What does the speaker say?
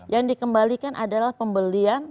yang dikembalikan adalah pembelian